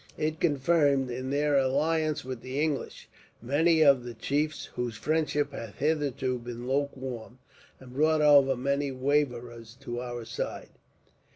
It confirmed, in their alliance with the English, many of the chiefs whose friendship had hitherto been lukewarm; and brought over many waverers to our side.